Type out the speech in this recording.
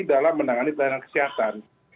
dalam menangani pelayanan kesehatan